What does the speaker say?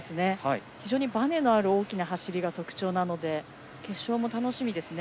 非常にばねのある大きな走りが特徴なので決勝も楽しみです。